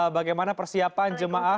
bagaimana persiapan jemaah